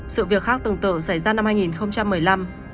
sự việc khác tương tự xảy ra năm hai nghìn một mươi năm